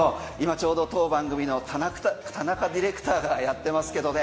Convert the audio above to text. ちょうど当番組の田中ディレクターがやってますけどね。